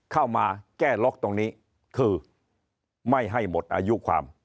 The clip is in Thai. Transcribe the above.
เข้ามาแก้ล็อกตรงนี้คือไม่ให้หมดอายุความ